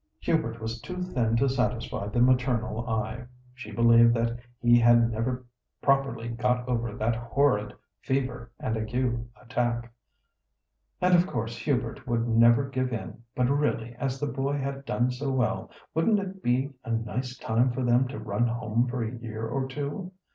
Hubert was too thin to satisfy the maternal eye. She believed that he had never properly got over that horrid fever and ague attack. "And of course Hubert would never give in; but really as the boy had done so well, wouldn't it be a nice time for them to run home for a year or two?